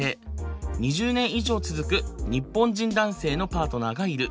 ２０年以上続く日本人男性のパートナーがいる。